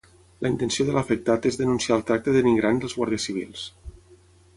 La intenció de l’afectat és denunciar el tracte denigrant dels guàrdies civils.